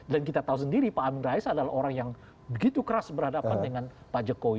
dan kita tahu sendiri pak amin rais adalah orang yang begitu keras berhadapan dengan pak jokowi